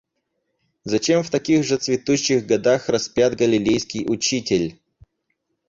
Зачем в таких же цветущих годах распят Галилейский учитель?